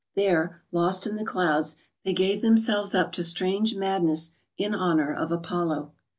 There, lost in the clouds, they gave themselves up to strange madness in honour of Apollo.